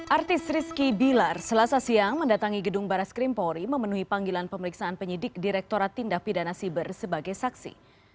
artis rizky bilar selasa siang mendatangi gedung baras krimpori memenuhi panggilan pemeriksaan penyidik direkturat tindak pidana siber sebagai saksi